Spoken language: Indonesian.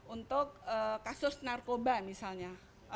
untuk kasus narkoba misalnya